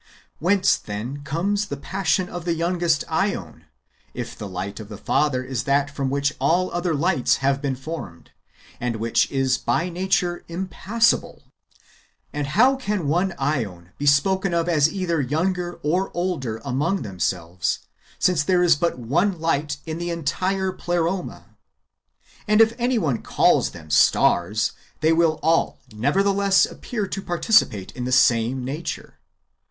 Whence, then, comes the passion of the youngest JEon, if the light of the Father is that from which all other lights have been formed, and which is by nature Book il] IRENyEUS AGAINST HERESIES. 175 impassible ? And how can one ^on be spoken of as either younger or older among themselves, since there is but one light in the entire Pleroma? And if any one calls them stars, they will all nevertheless appear to participate in the same nature.